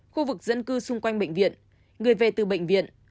khu vực dân cư xung quanh bệnh viện người về từ bệnh viện